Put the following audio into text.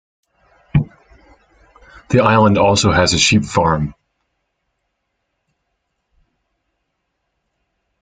The island also has a sheep farm.